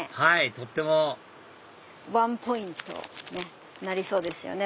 とってもワンポイントになりそうですよね